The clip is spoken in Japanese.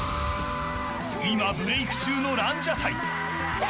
今、ブレイク中のランジャタイ。